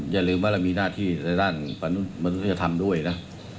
อย่าลืมว่าเรามีหน้าที่ในด้านมนุษยธรรมด้วยนะ